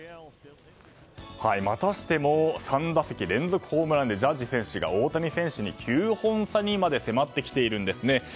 またしても３打席連続ホームランでジャッジ選手が大谷選手に９本差まで迫ってきているんですね。